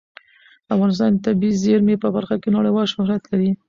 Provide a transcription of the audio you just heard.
افغانستان د طبیعي زیرمې په برخه کې نړیوال شهرت لري.